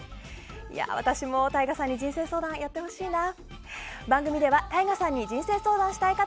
私もＴＡＩＧＡさん人生相談やってほしいな。